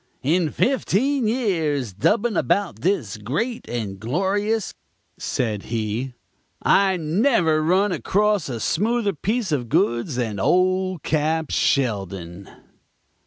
"In fifteen years dubbing about this great and glorious," said he, "I never run across a smoother piece of goods than old Cap. Sheldon.